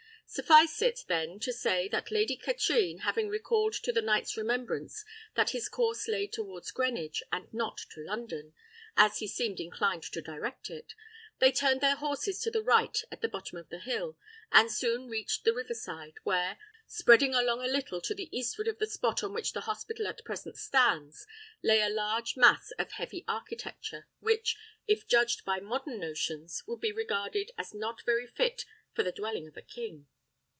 Suffice it, then, to say that Lady Katrine, having recalled to the knight's remembrance that his course lay towards Greenwich, and not to London, as he seemed inclined to direct it, they turned their horses to the right at the bottom of the hill, and soon reached the river side, where, spreading along a little to the eastward of the spot on which the hospital at present stands, lay a large mass of heavy architecture, which, if judged by modern notions, would be regarded as not very fit for the dwelling of a king.